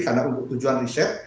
karena untuk tujuan riset